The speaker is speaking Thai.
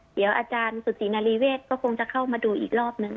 เดี๋ยวอาจารย์สุศินารีเวศก็คงจะเข้ามาดูอีกรอบนึง